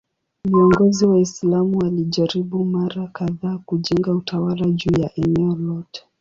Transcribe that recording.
Viongozi Waislamu walijaribu mara kadhaa kujenga utawala juu ya eneo lote.